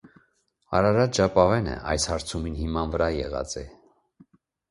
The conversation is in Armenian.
Արարատ ժապաւէնը այս հարցումին հիման վրայ եղած է։